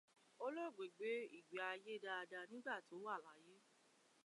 Olóògbé gbé ìgbé ayé dada nígbàtí ó wà láyé.